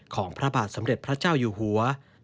ของพระบาทสมเด็จพระเจ้าอยู่หัว